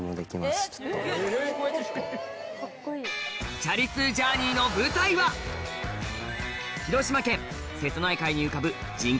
チャリ通ジャーニーの舞台は広島県瀬戸内海に浮かぶ人口